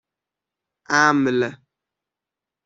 اَمل